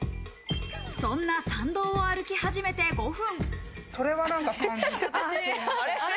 そんな山道を歩き始めて５分。